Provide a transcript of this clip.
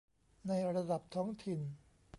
ในระดับท้องถิ่น